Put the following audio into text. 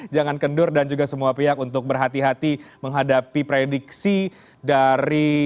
jangan kendur dan juga semua pihak untuk berhati hati menghadapi prediksi dari